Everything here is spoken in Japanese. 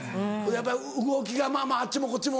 やっぱり動きがあっちもこっちも。